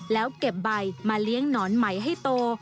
แล้วเก็บใบมาเลี้ยงหนอนไหมให้โต